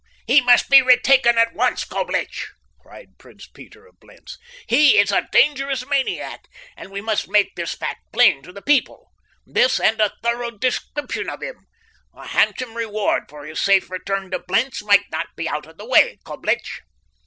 "He must be retaken at once, Coblich!" cried Prince Peter of Blentz. "He is a dangerous maniac, and we must make this fact plain to the people—this and a thorough description of him. A handsome reward for his safe return to Blentz might not be out of the way, Coblich."